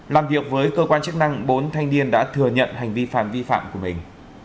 làm việc với cơ quan chức năng bốn thanh niên đã thừa nhận hành vi phạm vi phạm của mình